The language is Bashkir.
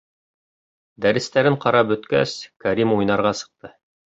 Дәрестәрен ҡарап бөткәс, Кәрим уйнарға сыҡты.